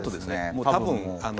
もう多分。